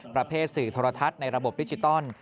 สื่อโทรทัศน์ในระบบดิจิตอล